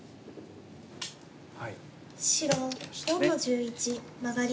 白４の十一マガリ。